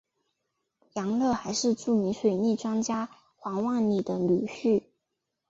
杨乐还是著名水利专家黄万里的女婿。